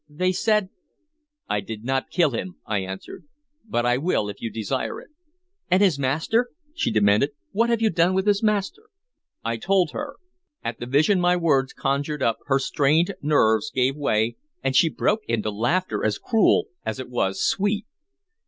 They said" "I did not kill him," I answered, "but I will if you desire it." "And his master?" she demanded. "What have you done with his master?" I told her. At the vision my words conjured up her strained nerves gave way, and she broke into laughter as cruel as it was sweet.